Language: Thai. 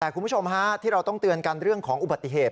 แต่คุณผู้ชมฮะที่เราต้องเตือนกันเรื่องของอุบัติเหตุ